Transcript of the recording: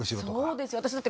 そうですよね。